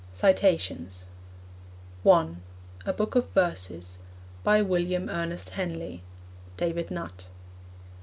(1) A Book of Verses. By William Ernest Henley. (David Nutt.)